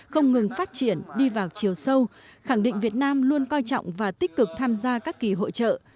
không ngừng phát triển đi vào chiều sâu khẳng định việt nam luôn coi trọng và tích cực tham gia các kỳ hội trợ